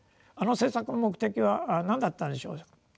あの政策の目的は何だったのでしょう。